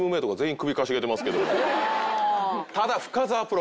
ただ。